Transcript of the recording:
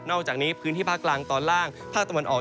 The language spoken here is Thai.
อกจากนี้พื้นที่ภาคกลางตอนล่างภาคตะวันออก